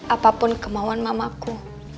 apapun kemauan mamaku